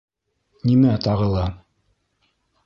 — Нимә тағы ла?